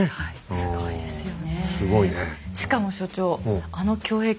すごいですよね。